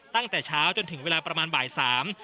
ตั้งแต่เช้าจนถึงเวลาประมาณบ่ายสาม